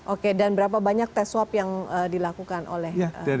oke dan berapa banyak tes swab yang dilakukan oleh